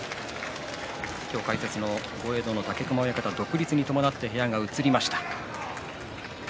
今日解説の豪栄道の武隈親方の独立に伴って部屋が移りました。